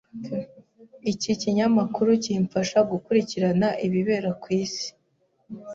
Iki kinyamakuru kimfasha gukurikirana ibibera ku isi.